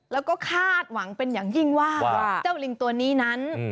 แล้วก็คาดหวังเป็นอย่างยิ่งว่าเจ้าลิงตัวนี้นั้น